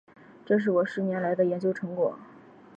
这是我十年来的研究成果